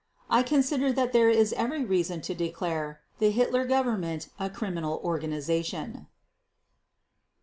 I consider that there is every reason to declare the Hitler Government a criminal organization.